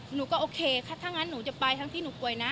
หนูก็โอเคถ้างั้นหนูจะไปทั้งที่หนูป่วยนะ